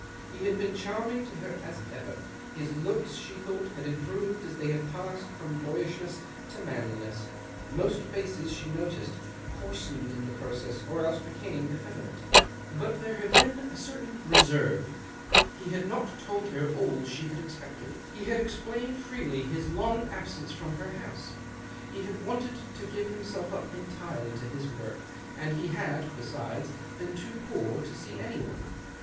He had been charming to her as ever ; his looks, she thought, had improved as they had passed from boyishness to manliness — most faces, she noticed, coarsened in the process, or else became effeminate. But there had been a J THE OCTAVE OF CLAUDIUS. 155 3ertain reserve ; he had not told her all she tiad expected. He had exphiined freely his long absence from her house — he had wanted to give himself up entirely to his work ; and lie had, besides, been too poor to see any one.